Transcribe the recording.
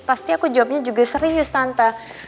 pasti aku jawabnya juga serius tante